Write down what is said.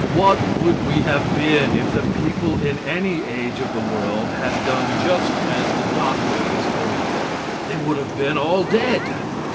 What would we have been if the people in any age of the world had done just as the doctors told them? They would have been all dead.